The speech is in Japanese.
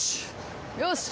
よし！